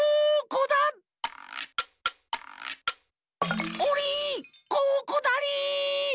ここだリ！